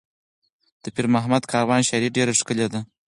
د پیر محمد کاروان شاعري ډېره ښکلې ده.